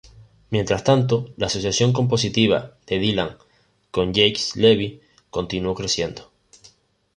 Mientras tanto, la asociación compositiva de Dylan con Jacques Levy continuó creciendo.